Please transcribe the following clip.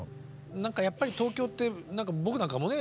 何かやっぱり東京って僕なんかもね